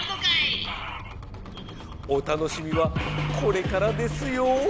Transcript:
お楽しみはこれからですよ！